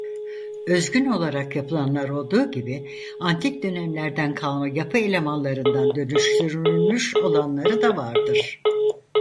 Özgün olarak yapılanlar olduğu gibi antik dönemlerden kalma yapı elemanlarından dönüştürülmüş olanları da vardır.